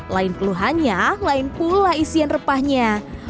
lain keluhannya lain pula isian repahnya